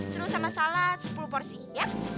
seru sama salad sepuluh porsi ya